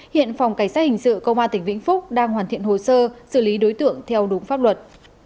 hiện phòng cảnh sát hình sự công an tỉnh vĩnh phúc đang hoàn thiện hồ sơ xử lý đối tượng theo đúng pháp luật